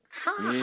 え！